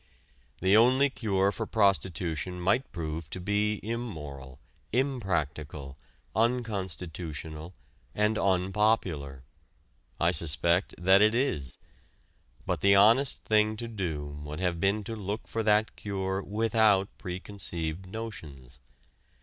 The only cure for prostitution might prove to be "immoral," "impractical," unconstitutional, and unpopular. I suspect that it is. But the honest thing to do would have been to look for that cure without preconceived notions.